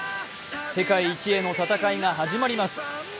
世界一への戦いが始まります。